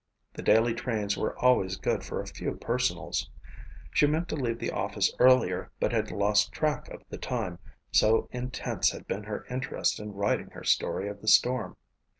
The daily trains were always good for a few personals. She meant to leave the office earlier but had lost track of the time, so intense had been her interest in writing her story of the storm.